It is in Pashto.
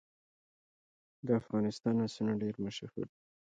د افغانستان آسونه ډیر مشهور وو